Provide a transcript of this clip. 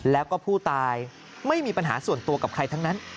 แล้วก็ผู้ตายไม่มีปัญหาส่วนตัวกับใครทั้งนั้น